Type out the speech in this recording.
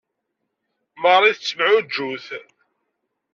Marie tettemɛujjut.